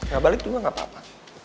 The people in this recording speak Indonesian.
gak balik juga gak apa apa